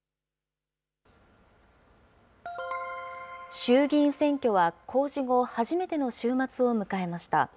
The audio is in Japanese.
衆議院選挙は公示後、初めての週末を迎えました。